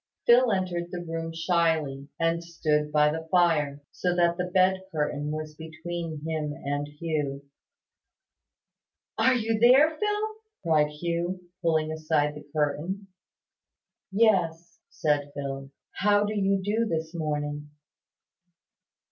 Phil entered the room shyly, and stood by the fire, so that the bed curtain was between him and Hugh. "Are you there, Phil?" cried Hugh, pulling aside the curtain. "Yes," said Phil; "how do you do this morning?"